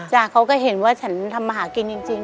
เขาก็เห็นว่าฉันทำมาหากินจริง